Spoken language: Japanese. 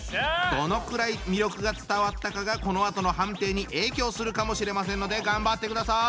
どのくらい魅力が伝わったかがこのあとの判定に影響するかもしれませんので頑張ってください。